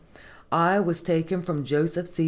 _ "I was taken from Joseph C.